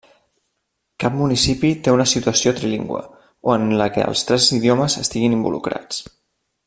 Cap municipi té una situació trilingüe o en la que els tres idiomes estiguin involucrats.